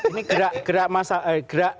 ini gerak masyarakat